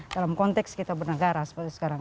dalam konteks kita bernegara seperti sekarang